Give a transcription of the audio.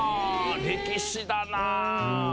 歴史だなあ。